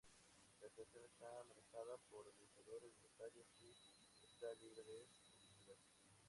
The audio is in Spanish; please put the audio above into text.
La estación está manejada por administradores voluntarios y está libre de publicidad.